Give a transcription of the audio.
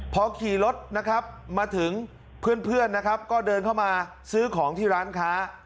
พอขี่รถมาถึงเพื่อนก็เดินเข้ามาซื้อของที่ร้านค้า